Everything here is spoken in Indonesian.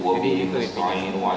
jadi itu itu